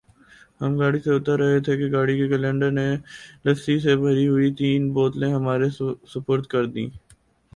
ہم گاڑی سے اتر رہے تھے کہ گاڑی کے کلنڈر نے لسی سے بھری ہوئی تین بوتلیں ہمارے سپرد کر دیں ۔